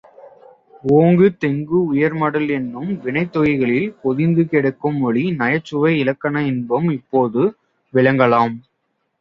ஓங்கு தெங்கு உயர்மடல் என்னும் வினைத்தொகைகளில் பொதிந்து கிடக்கும் மொழி நயச்சுவை இலக்கண இன்பம் இப்போது விளங்கலாம்.